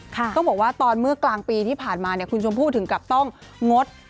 ต้องบอกว่าตอนเมื่อกลางปีที่ผ่านมาเนี่ยคุณชมพู่ถึงกับต้องงด